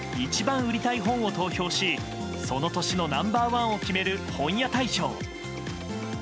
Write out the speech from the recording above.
売りたい本を投票しその年のナンバー１を決める本屋大賞。